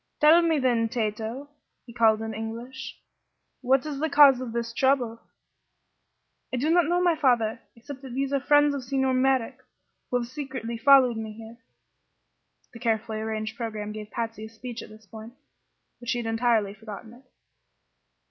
"Tell me, then, Tato," he called in English, "what is the cause of this trouble?" "I do not know, my father, except that these are friends of Signor Merrick who have secretly followed me here." The carefully arranged programme gave Patsy a speech at this point, but she had entirely forgotten it.